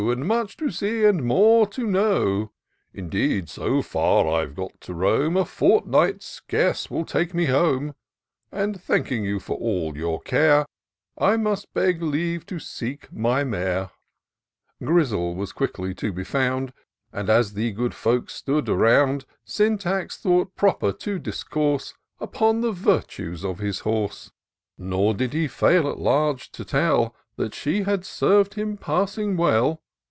And much to see, and more to know ; V IN SEARCH OF THE PICTURESaUE. 213 Indeed, so far I've got to roam, A fortnight scarce will take me home; And thanking you for all your care, I must beg leave to seek my mare," Grizzle was quickly to be found ; And, as the good folks stood around. Syntax thought proper to discourse Upon the virtues of his horse ; Nor did he fail at large to tell That she had serv'd him passing well.